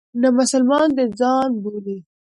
نه مسلمانان د ځان بولي.